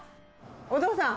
お父さん。